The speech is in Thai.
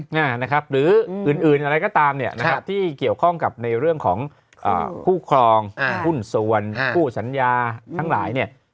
หรืออื่นอะไรก็ตามที่เกี่ยวคร่องกับในเรื่องของคู่ครองคู่สนคู่สัญญาทั้งหลาย